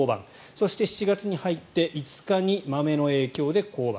そして７月に入って５日にまめの影響で降板。